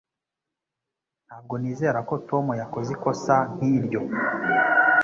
Ntabwo nizera ko Tom yakoze ikosa nkiryo.